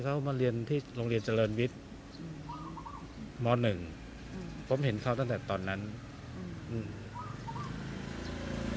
เขามาเรียนที่โรงเรียนเจริญวิทย์มหนึ่งผมเห็นเขาตั้งแต่ตอนนั้นอืมอืม